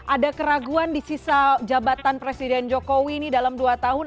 ada keraguan di sisa jabatan presiden jokowi ini dalam dua tahun